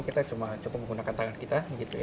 kita cuma cukup menggunakan tangan kita